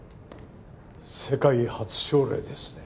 世界初症例ですね